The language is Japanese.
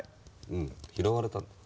うん拾われたんだ。